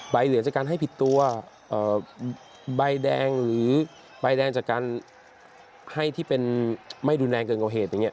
เหลือจากการให้ผิดตัวใบแดงหรือใบแดงจากการให้ที่เป็นไม่รุนแรงเกินกว่าเหตุอย่างนี้